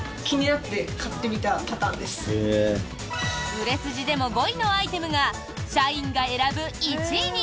売れ筋でも５位のアイテムが社員が選ぶ１位に！